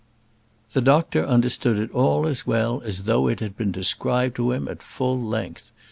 The doctor understood it all as well as though it had been described to him at full length.